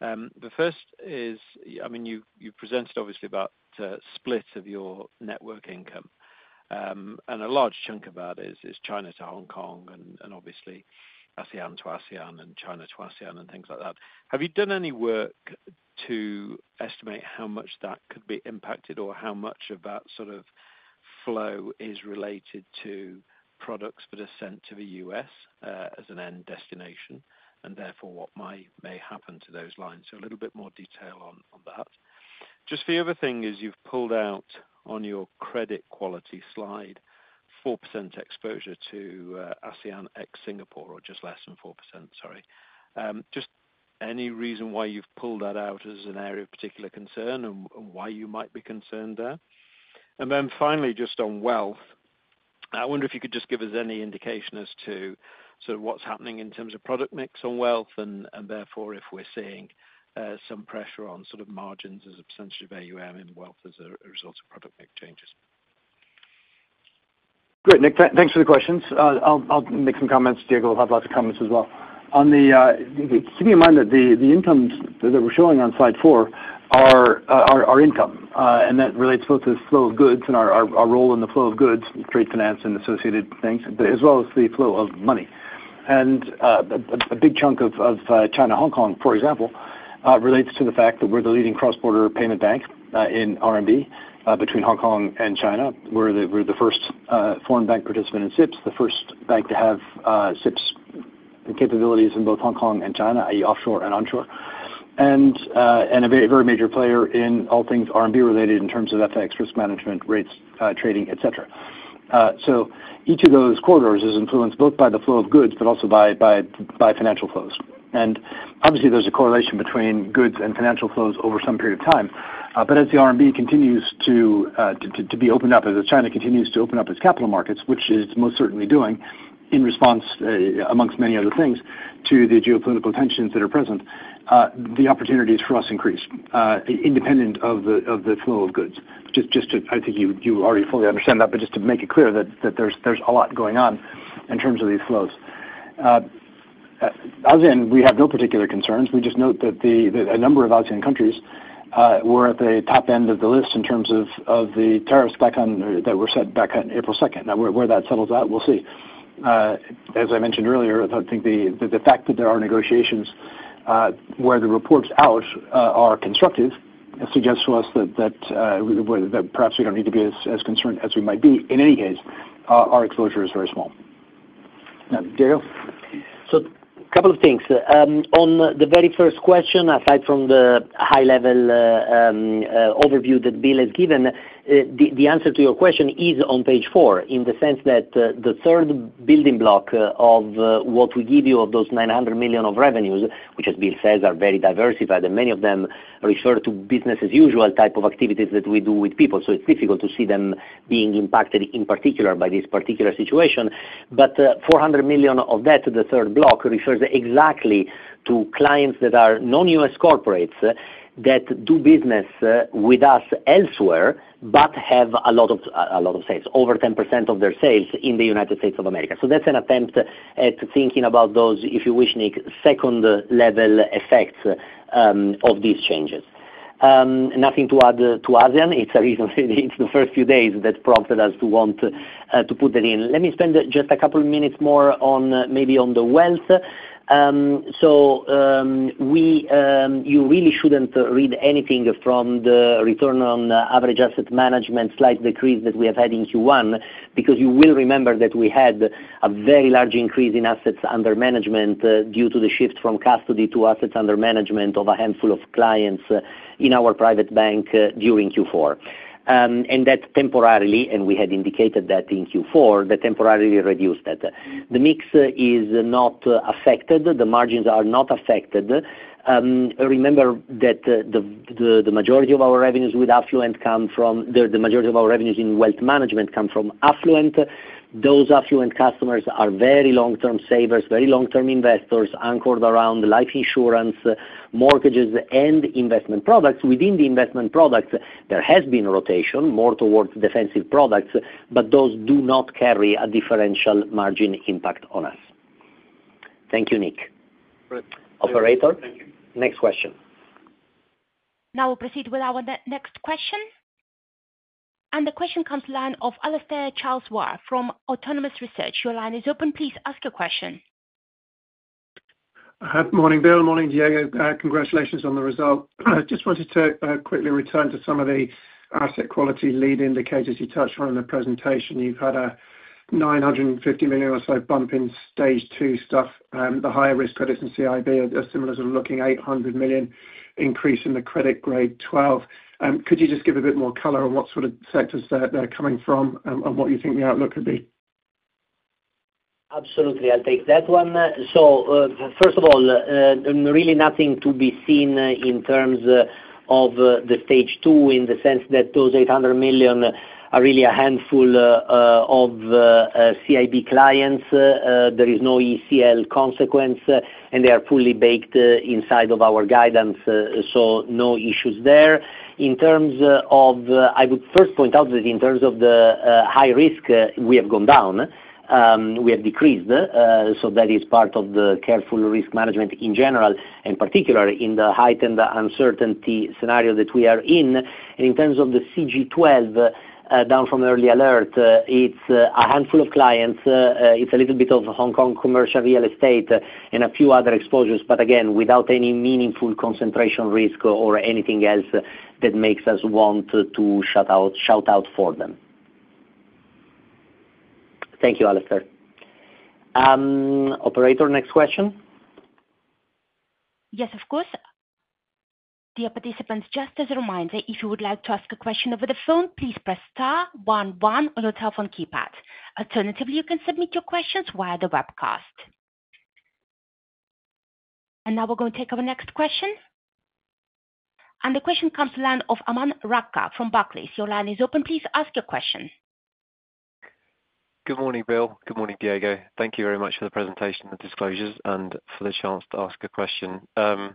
The first is, I mean, you've presented obviously about the split of your network income. A large chunk of that is China to Hong Kong and obviously ASEAN to ASEAN and China to ASEAN and things like that. Have you done any work to estimate how much that could be impacted or how much of that sort of flow is related to products that are sent to the U.S. as an end destination and therefore what may happen to those lines? A little bit more detail on that. Just the other thing is you've pulled out on your credit quality slide, 4% exposure to ASEAN ex-Singapore or just less than 4%, sorry. Just any reason why you have pulled that out as an area of particular concern and why you might be concerned there? Finally, just on wealth, I wonder if you could just give us any indication as to sort of what is happening in terms of product mix on wealth and therefore if we are seeing some pressure on sort of margins as a percentage of AUM in wealth as a result of product mix changes. Great. Nick, thanks for the questions. I will make some comments. Diego will have lots of comments as well. Keep in mind that the incomes that we are showing on slide four are income, and that relates both to the flow of goods and our role in the flow of goods, trade finance, and associated things, as well as the flow of money. A big chunk of China-Hong Kong, for example, relates to the fact that we're the leading cross-border payment bank in R&D between Hong Kong and China. We're the first foreign bank participant in SIPs, the first bank to have SIPs capabilities in both Hong Kong and China, i.e., offshore and onshore, and a very major player in all things R&D related in terms of FX, risk management, rates, trading, etc. Each of those corridors is influenced both by the flow of goods but also by financial flows. Obviously, there's a correlation between goods and financial flows over some period of time. As the R&D continues to be opened up, as China continues to open up its capital markets, which it is most certainly doing in response, amongst many other things, to the geopolitical tensions that are present, the opportunities for us increase independent of the flow of goods. Just to, I think you already fully understand that, but just to make it clear that there is a lot going on in terms of these flows. ASEAN, we have no particular concerns. We just note that a number of ASEAN countries were at the top end of the list in terms of the tariffs that were set back on April 2. Now, where that settles out, we will see. As I mentioned earlier, I think the fact that there are negotiations where the reports out are constructive suggests to us that perhaps we do not need to be as concerned as we might be. In any case, our exposure is very small. Now, Diego? A couple of things. On the very first question, aside from the high-level overview that Bill has given, the answer to your question is on page four in the sense that the third building block of what we give you of those $900 million of revenues, which, as Bill says, are very diversified, and many of them refer to business-as-usual type of activities that we do with people. It is difficult to see them being impacted in particular by this particular situation. $400 million of that, the third block, refers exactly to clients that are non-U.S. corporates that do business with us elsewhere but have a lot of sales, over 10% of their sales in the United States of America. That is an attempt at thinking about those, if you wish, Nick, second-level effects of these changes. Nothing to add to ASEAN. It's the first few days that prompted us to want to put that in. Let me spend just a couple of minutes more maybe on the wealth. You really shouldn't read anything from the return on average asset management slide decrease that we have had in Q1 because you will remember that we had a very large increase in assets under management due to the shift from custody to assets under management of a handful of clients in our private bank during Q4. That temporarily, and we had indicated that in Q4, that temporarily reduced that. The mix is not affected. The margins are not affected. Remember that the majority of our revenues with affluent come from the majority of our revenues in wealth management come from affluent. Those affluent customers are very long-term savers, very long-term investors anchored around life insurance, mortgages, and investment products. Within the investment products, there has been rotation more towards defensive products, but those do not carry a differential margin impact on us. Thank you, Nick. Operator, next question. Now we'll proceed with our next question. The question comes to the line of Alastair Charles Ware from Autonomous Research. Your line is open. Please ask your question. Morning, Bill. Morning, Diego. Congratulations on the result. I just wanted to quickly return to some of the asset quality lead indicators you touched on in the presentation. You've had a $950 million or so bump in stage two stuff. The higher risk credits in CIB are a similar sort of looking $800 million increase in the credit grade 12. Could you just give a bit more color on what sort of sectors they're coming from and what you think the outlook could be? Absolutely. I'll take that one. First of all, really nothing to be seen in terms of the stage two in the sense that those $800 million are really a handful of CIB clients. There is no ECL consequence, and they are fully baked inside of our guidance, so no issues there. I would first point out that in terms of the high risk, we have gone down. We have decreased. That is part of the careful risk management in general, in particular in the heightened uncertainty scenario that we are in. In terms of the CG12, down from early alert, it's a handful of clients. It's a little bit of Hong Kong commercial real estate and a few other exposures, but again, without any meaningful concentration risk or anything else that makes us want to shout out for them. Thank you, Alastair. Operator, next question. Yes, of course. Dear participants, just as a reminder, if you would like to ask a question over the phone, please press star, 11, on your telephone keypad. Alternatively, you can submit your questions via the webcast. Now we are going to take our next question. The question comes to the line of Aman Rakkar from Barclays. Your line is open. Please ask your question. Good morning, Bill. Good morning, Diego. Thank you very much for the presentation and disclosures and for the chance to ask a question. I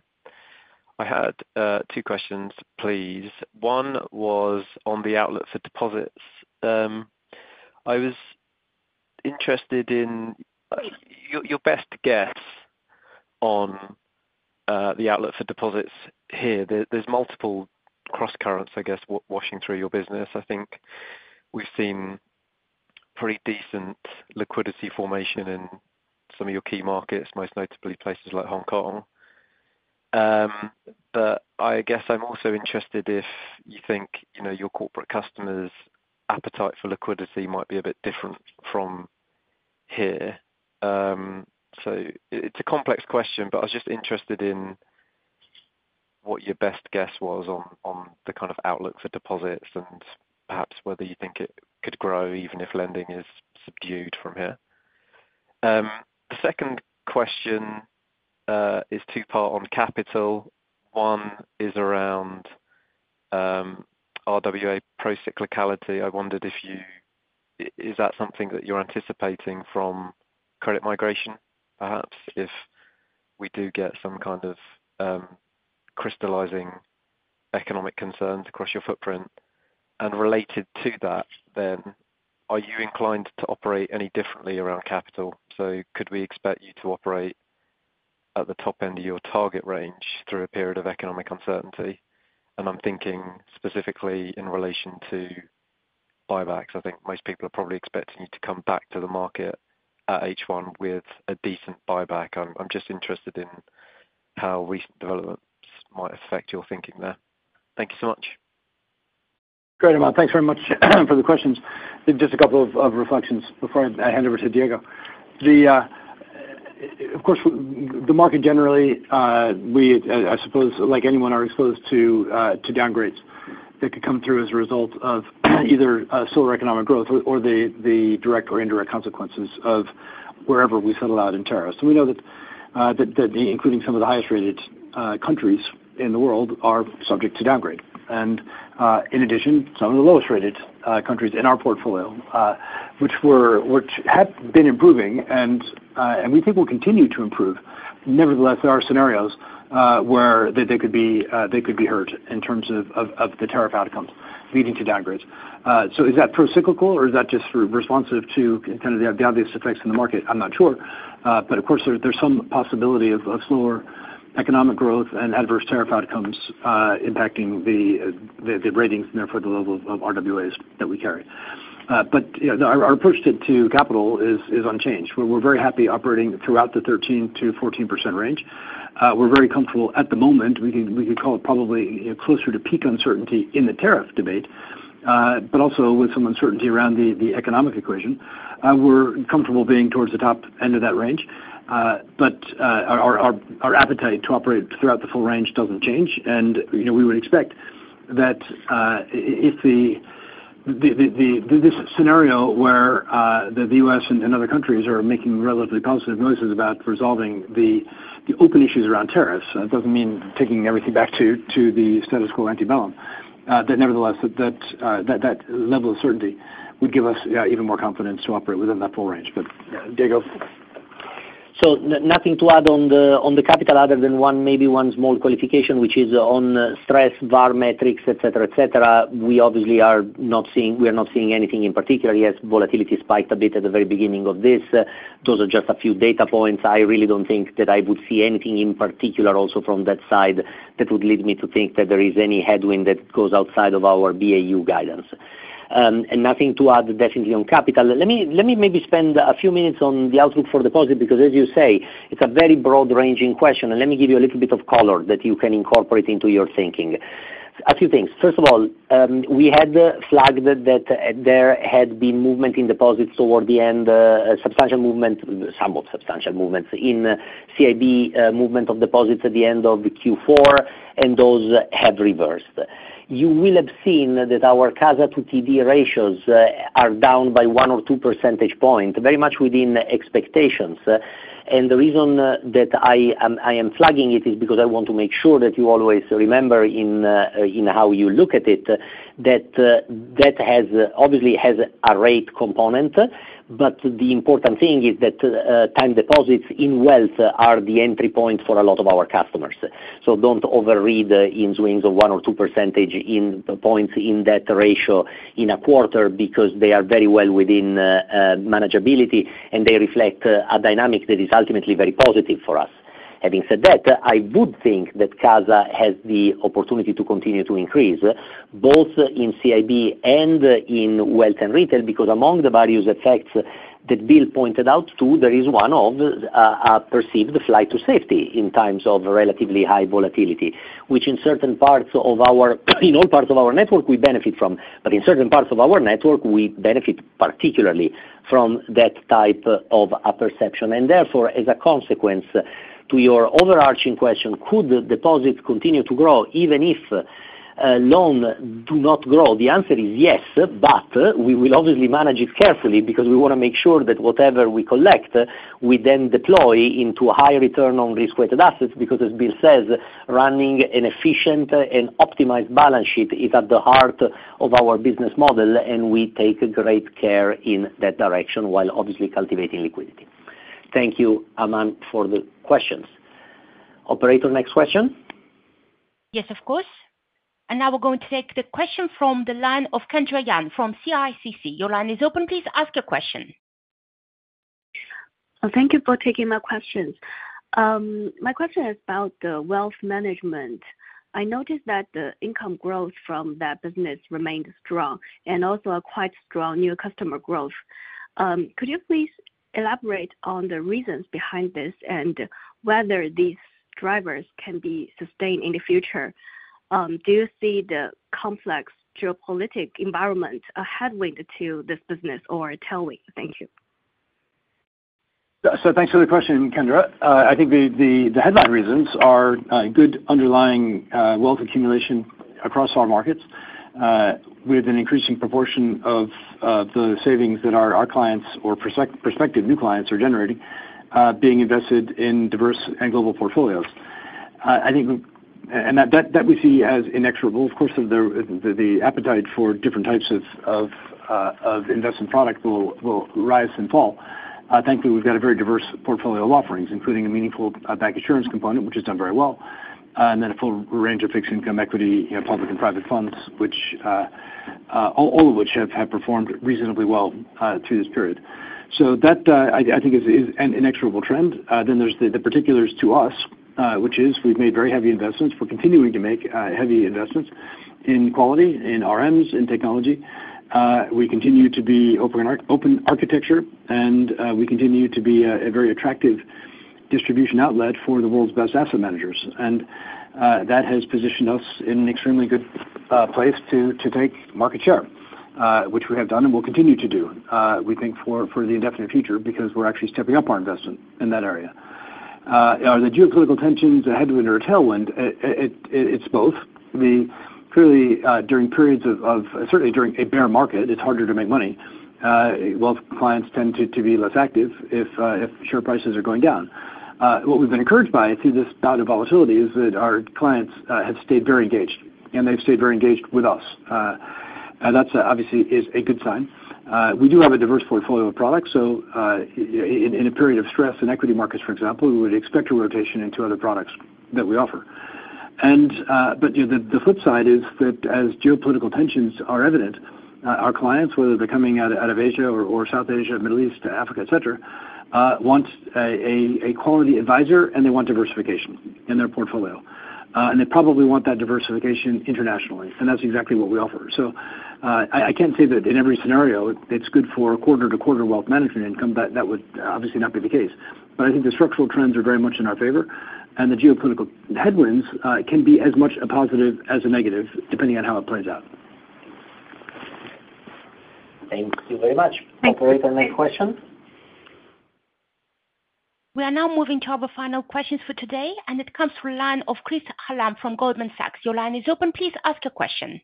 had two questions, please. One was on the outlook for deposits. I was interested in your best guess on the outlook for deposits here. There are multiple cross-currents, I guess, washing through your business. I think we've seen pretty decent liquidity formation in some of your key markets, most notably places like Hong Kong. I guess I'm also interested if you think your corporate customers' appetite for liquidity might be a bit different from here. It is a complex question, but I was just interested in what your best guess was on the kind of outlook for deposits and perhaps whether you think it could grow even if lending is subdued from here. The second question is two-part on capital. One is around RWA procyclicality. I wondered if you is that something that you're anticipating from credit migration, perhaps, if we do get some kind of crystalizing economic concerns across your footprint? Related to that, are you inclined to operate any differently around capital? Could we expect you to operate at the top end of your target range through a period of economic uncertainty? I'm thinking specifically in relation to buybacks. I think most people are probably expecting you to come back to the market at H1 with a decent buyback. I'm just interested in how recent developments might affect your thinking there. Thank you so much. Great, Aman. Thanks very much for the questions. Just a couple of reflections before I hand over to Diego. Of course, the market generally, I suppose, like anyone, are exposed to downgrades that could come through as a result of either slower economic growth or the direct or indirect consequences of wherever we settle out in tariffs. We know that including some of the highest-rated countries in the world are subject to downgrade. In addition, some of the lowest-rated countries in our portfolio, which have been improving and we think will continue to improve, nevertheless, there are scenarios where they could be hurt in terms of the tariff outcomes leading to downgrades. Is that procyclical, or is that just responsive to kind of the obvious effects in the market? I'm not sure. Of course, there's some possibility of slower economic growth and adverse tariff outcomes impacting the ratings and therefore the level of RWAs that we carry. Our approach to capital is unchanged. We're very happy operating throughout the 13 to 14% range. We're very comfortable at the moment. We could call it probably closer to peak uncertainty in the tariff debate, but also with some uncertainty around the economic equation. We're comfortable being towards the top end of that range. Our appetite to operate throughout the full range doesn't change. We would expect that if this scenario where the U.S. and other countries are making relatively positive noises about resolving the open issues around tariffs, that doesn't mean taking everything back to the status quo ante bellum. Nevertheless, that level of certainty would give us even more confidence to operate within that full range. But Diego? Nothing to add on the capital other than maybe one small qualification, which is on stress, VAR metrics, etc., etc. We obviously are not seeing anything in particular. Yes, volatility spiked a bit at the very beginning of this. Those are just a few data points. I really do not think that I would see anything in particular also from that side that would lead me to think that there is any headwind that goes outside of our BAU guidance. Nothing to add definitely on capital. Let me maybe spend a few minutes on the outlook for deposits because, as you say, it is a very broad-ranging question. Let me give you a little bit of color that you can incorporate into your thinking. A few things. First of all, we had flagged that there had been movement in deposits toward the end, substantial movement, somewhat substantial movements in CIB movement of deposits at the end of Q4, and those have reversed. You will have seen that our CASA to TD ratios are down by one or two percentage points, very much within expectations. The reason that I am flagging it is because I want to make sure that you always remember in how you look at it that that obviously has a rate component. The important thing is that time deposits in wealth are the entry point for a lot of our customers. Do not overread in swings of one or two percentage points in that ratio in a quarter because they are very well within manageability, and they reflect a dynamic that is ultimately very positive for us. Having said that, I would think that CASA has the opportunity to continue to increase both in CIB and in wealth and retail because among the various effects that Bill pointed out too, there is one of a perceived flight to safety in times of relatively high volatility, which in certain parts of our in all parts of our network, we benefit from. In certain parts of our network, we benefit particularly from that type of perception. Therefore, as a consequence to your overarching question, could deposits continue to grow even if loans do not grow? The answer is yes, but we will obviously manage it carefully because we want to make sure that whatever we collect, we then deploy into a high return on risk-weighted assets because, as Bill says, running an efficient and optimized balance sheet is at the heart of our business model, and we take great care in that direction while obviously cultivating liquidity. Thank you, Aman, for the questions. Operator, next question. Yes, of course. Now we're going to take the question from the line of Kendra Yan from CICC. Your line is open. Please ask your question. Thank you for taking my questions. My question is about the wealth management. I noticed that the income growth from that business remained strong and also quite strong new customer growth. Could you please elaborate on the reasons behind this and whether these drivers can be sustained in the future? Do you see the complex geopolitic environment a headwind to this business or a tailwind? Thank you. Thanks for the question, Kendra. I think the headline reasons are good underlying wealth accumulation across our markets with an increasing proportion of the savings that our clients or prospective new clients are generating being invested in diverse and global portfolios. I think that we see as inexorable. Of course, the appetite for different types of investment products will rise and fall. Thankfully, we've got a very diverse portfolio of offerings, including a meaningful bank assurance component, which has done very well, and then a full range of fixed income, equity, public and private funds, all of which have performed reasonably well through this period. That, I think, is an inexorable trend. There are the particulars to us, which is we've made very heavy investments. We're continuing to make heavy investments in quality, in RMs, in technology. We continue to be open architecture, and we continue to be a very attractive distribution outlet for the world's best asset managers. That has positioned us in an extremely good place to take market share, which we have done and will continue to do, we think, for the indefinite future because we're actually stepping up our investment in that area. Are the geopolitical tensions a headwind or a tailwind? It's both. Clearly, during periods of certainly during a bear market, it's harder to make money. Wealth clients tend to be less active if share prices are going down. What we've been encouraged by through this bout of volatility is that our clients have stayed very engaged, and they've stayed very engaged with us. That obviously is a good sign. We do have a diverse portfolio of products. In a period of stress in equity markets, for example, we would expect a rotation into other products that we offer. The flip side is that as geopolitical tensions are evident, our clients, whether they're coming out of Asia or South Asia, Middle East, Africa, etc., want a quality advisor, and they want diversification in their portfolio. They probably want that diversification internationally. That's exactly what we offer. I can't say that in every scenario it's good for quarter-to-quarter wealth management income. That would obviously not be the case. I think the structural trends are very much in our favor. The geopolitical headwinds can be as much a positive as a negative depending on how it plays out. Thank you very much. Operator, next question. We are now moving to our final questions for today. It comes from the line of Chris Hallam from Goldman Sachs. Your line is open. Please ask your question.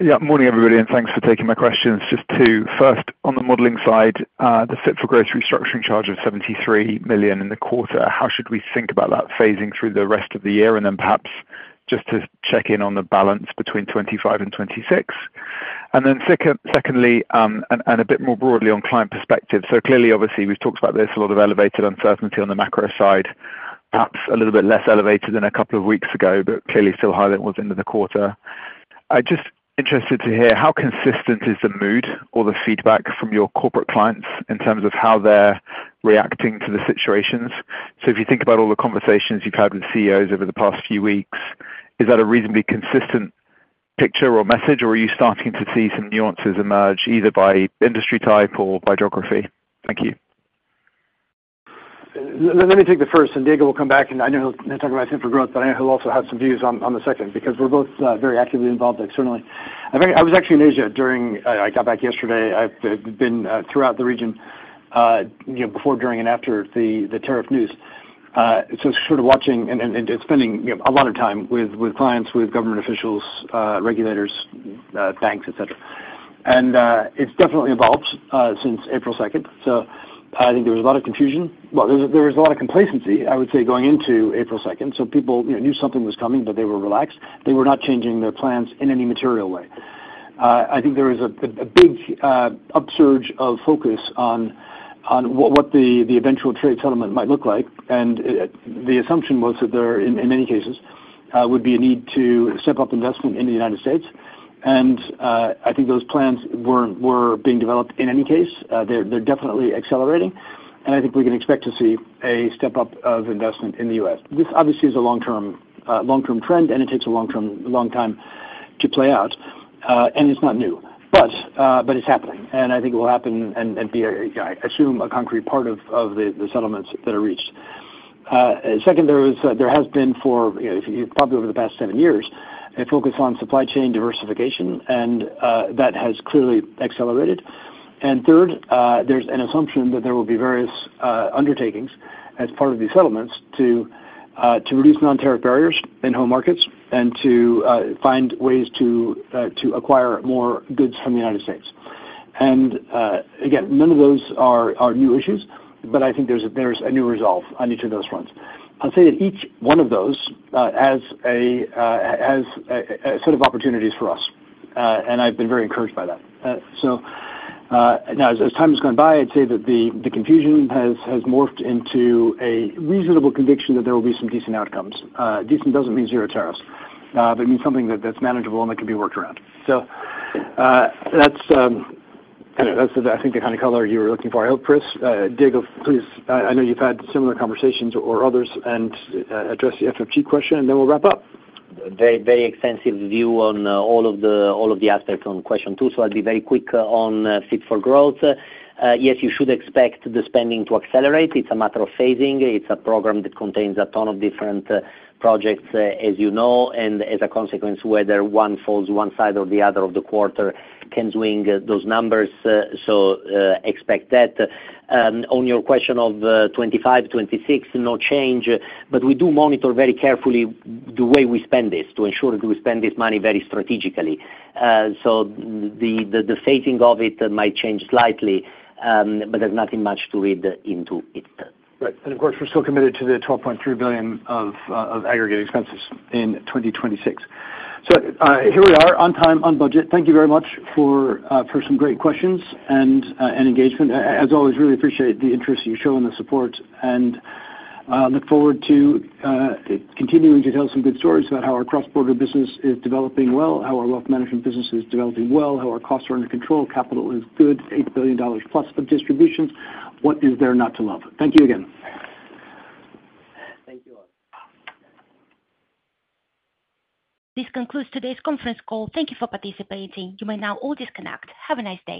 Yeah. Morning, everybody. Thanks for taking my questions. Just two. First, on the modeling side, the Fit for Growth restructuring charge of $73 million in the quarter, how should we think about that phasing through the rest of the year? Perhaps just to check in on the balance between 2025 and 2026. Secondly, and a bit more broadly on client perspective. Clearly, obviously, we've talked about this, a lot of elevated uncertainty on the macro side, perhaps a little bit less elevated than a couple of weeks ago, but clearly still higher than it was into the quarter. Just interested to hear, how consistent is the mood or the feedback from your corporate clients in terms of how they're reacting to the situations? If you think about all the conversations you've had with CEOs over the past few weeks, is that a reasonably consistent picture or message, or are you starting to see some nuances emerge either by industry type or by geography? Thank you. Let me take the first. Diego will come back, and I know he'll talk about Fit for Growth, but I know he'll also have some views on the second because we're both very actively involved externally. I was actually in Asia during—I got back yesterday. I've been throughout the region before, during, and after the tariff news. Sort of watching and spending a lot of time with clients, with government officials, regulators, banks, etc. It has definitely evolved since April 2nd. I think there was a lot of confusion. There was a lot of complacency, I would say, going into April 2nd. People knew something was coming, but they were relaxed. They were not changing their plans in any material way. I think there was a big upsurge of focus on what the eventual trade settlement might look like. The assumption was that there, in many cases, would be a need to step up investment in the U.S. I think those plans were being developed in any case. They are definitely accelerating. I think we can expect to see a step up of investment in the U.S. This obviously is a long-term trend, and it takes a long time to play out. It is not new, but it is happening. I think it will happen and be, I assume, a concrete part of the settlements that are reached. Second, there has been, for probably over the past seven years, a focus on supply chain diversification, and that has clearly accelerated. Third, there is an assumption that there will be various undertakings as part of these settlements to reduce non-tariff barriers in home markets and to find ways to acquire more goods from the U.S. None of those are new issues, but I think there's a new resolve on each of those fronts. I'll say that each one of those has a set of opportunities for us. I've been very encouraged by that. As time has gone by, I'd say that the confusion has morphed into a reasonable conviction that there will be some decent outcomes. Decent doesn't mean zero tariffs, but it means something that's manageable and that can be worked around. That's, I think, the kind of color you were looking for. Chris, Diego, please, I know you've had similar conversations or others and address the FFG question, and then we'll wrap up. Very extensive view on all of the aspects on question two. I'll be very quick on Fit for Growth. Yes, you should expect the spending to accelerate. It's a matter of phasing. It's a program that contains a ton of different projects, as you know. As a consequence, whether one falls one side or the other of the quarter can swing those numbers. Expect that. On your question of 2025, 2026, no change. We do monitor very carefully the way we spend this to ensure that we spend this money very strategically. The phasing of it might change slightly, but there's nothing much to read into it. Right. Of course, we're still committed to the $12.3 billion of aggregate expenses in 2026. Here we are on time, on budget. Thank you very much for some great questions and engagement. As always, really appreciate the interest you show and the support. I look forward to continuing to tell some good stories about how our cross-border business is developing well, how our wealth management business is developing well, how our costs are under control, capital is good, $8 billion plus of distributions. What is there not to love? Thank you again. Thank you all. This concludes today's conference call. Thank you for participating. You may now all disconnect. Have a nice day.